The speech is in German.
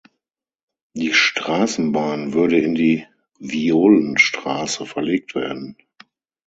Die Straßenbahn würde in die Violenstraße verlegt werden.